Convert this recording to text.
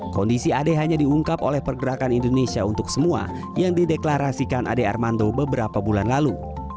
kondisi ade hanya diungkap oleh pergerakan indonesia untuk semua yang dideklarasikan ade armando beberapa bulan lalu